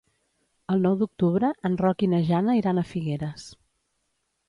El nou d'octubre en Roc i na Jana iran a Figueres.